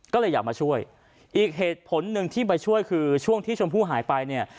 ก็เลยอยากมาช่วยอีกเหตุผลหนึ่งที่ไปช่วยคือช่วงที่ชมพู่หายไปเนี่ย